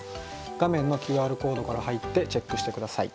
画面のＱＲコードから入ってチェックして下さい。